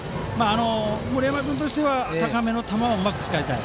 森山君は高めの球をうまく使いたい。